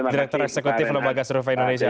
direktur eksekutif lembaga survei indonesia